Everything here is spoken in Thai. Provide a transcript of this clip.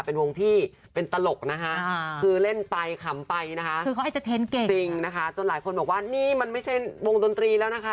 เป็นไปขำไปนะคะจนหลายคนบอกว่านี่มันไม่ใช่วงดนตรีแล้วนะคะ